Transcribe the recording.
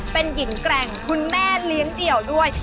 เป็นหญิงแกร่งคุณแม่เลี้ยงเดี่ยวด้วย